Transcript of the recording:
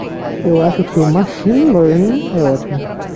Eu acho que o Machine Learning é ótimo.